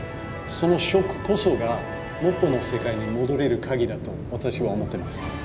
そのショックこそが元の世界に戻れる鍵だと私は思ってます。